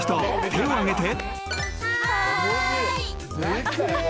手を挙げて］